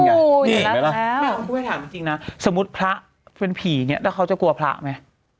นี่ถามจริงนะสมมุติพระเป็นผีเนี่ยแล้วเขาจะกลัวพระไหม